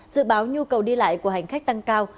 dự báo nhu cầu đi lại của hành khách tăng cao